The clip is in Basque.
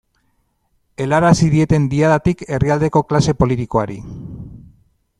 Helarazi dieten Diadatik herrialdeko klase politikoari.